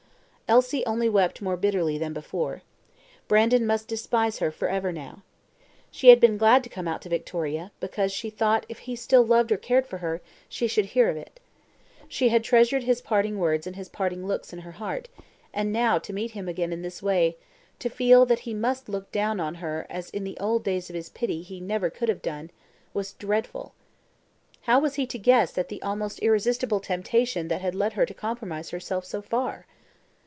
Elsie only wept more bitterly than before. Brandon must despise her for ever now. She had been glad to come out to Victoria, because she thought if he still loved or cared for her she should hear of it. She had treasured his parting words and his parting looks in her heart; and now to meet him again in this way to feel that he must look down on her as in the old days of his pity he never could have done was dreadful. How was he to guess at the almost irresistible temptation that had led her to compromise herself so far?